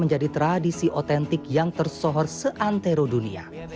menjadi tradisi otentik yang tersohor seantero dunia